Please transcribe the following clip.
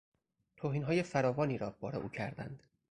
توهینهای فراوانی را بار او کردند.